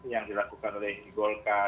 yang dilakukan oleh golkar